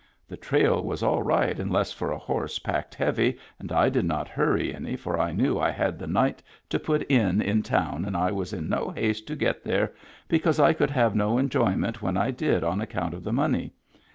The trail was all right unless for a horse packed heavy and I did not hurry any for I knew I had the night to put in in town and I was in no haste to get there because I could have no enjoyment when I did on account of the money.